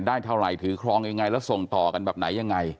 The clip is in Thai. เท่าไหร่ถือครองยังไงแล้วส่งต่อกันแบบไหนยังไง